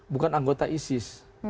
bukan anggota isis